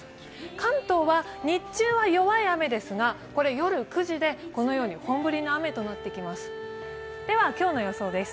関東は日中は弱い雨ですが、夜９時でこのように本降りの雨となってきます。